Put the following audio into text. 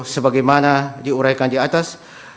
sebagaimana diuraikan di atas